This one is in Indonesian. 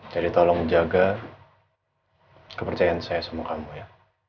jadi tolong jaga kepercayaan saya sama kamu ya